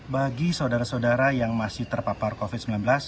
bagi saudara saudara yang masih terpapar covid sembilan belas